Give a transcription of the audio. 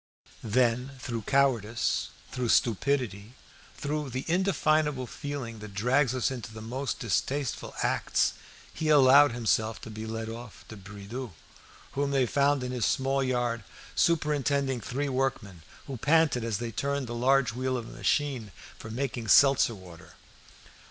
Then, through cowardice, through stupidity, through that indefinable feeling that drags us into the most distasteful acts, he allowed himself to be led off to Bridoux', whom they found in his small yard, superintending three workmen, who panted as they turned the large wheel of a machine for making seltzer water.